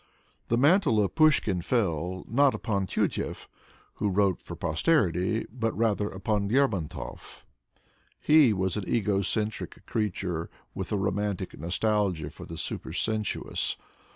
The mantle of Pushkin fell, not upon Tyutchev, who wrote for posterity, bur rather upon Lermontov. He was an ego centric creature, with a romantic nostalgia for the supersensuous.